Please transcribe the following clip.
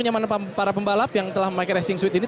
kenyamanan para pembalap yang telah memakai racing suit ini